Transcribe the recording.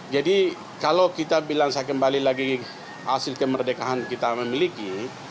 jadi kalau kita bilang saya kembali lagi hasil kemerdekaan kita memiliki